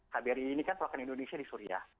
kbri ini kan perwakilan indonesia di suria